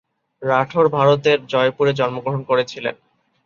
রাঠোর ভারতের জয়পুরে জন্মগ্রহণ করেছিলেন।